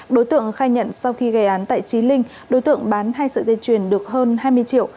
đối tượng khai nhận sau khi gây án tại trí linh đối tượng bán hai sợi dây chuyền được hơn hai mươi triệu